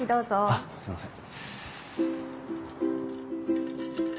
あっすいません。